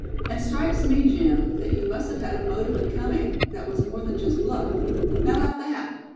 And strikes me, Jim, that you must have had a motive in coming, that was more than just bluff. How about that?"